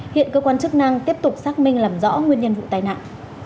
hiện cơ quan chức năng tiếp tục xác minh làm rõ nguyên nhân vụ tai nạn